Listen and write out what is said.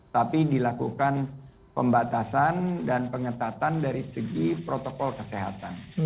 tapi dilakukan pembatasan dan pengetatan dari segi protokol kesehatan